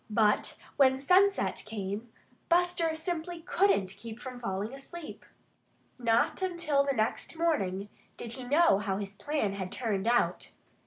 But when sunset came, Buster simply couldn't keep from falling asleep. Not until the next morning did he know how his plan had turned out.